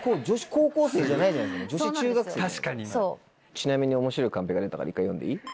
ちなみに面白いカンペが出たから１回読んでいい？